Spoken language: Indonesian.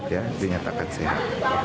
sehat ya dinyatakan sehat